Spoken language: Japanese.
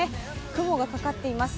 雲がかかっています。